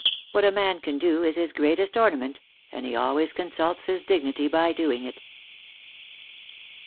What a man can do is his greatest ornament, and he always consults his dignity by doing it."